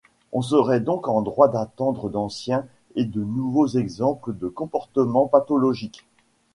On serait donc en droit d'attendre d'anciens et de nouveaux exemples de comportements pathologiques.